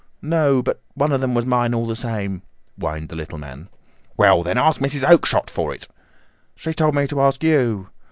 "No; but one of them was mine all the same," whined the little man. "Well, then, ask Mrs. Oakshott for it." "She told me to ask you."